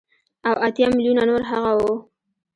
او اتيا ميليونه نور هغه وو.